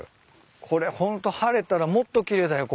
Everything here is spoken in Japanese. これホント晴れたらもっと奇麗だよ